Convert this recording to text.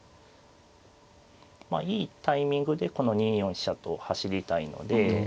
いいタイミングでこの２四飛車と走りたいので。